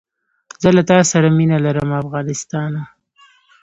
زه له تاسره مینه لرم افغانستانه